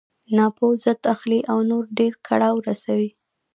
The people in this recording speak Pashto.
ناپوه ضد اخلي او نور ډېر کړاو رسوي.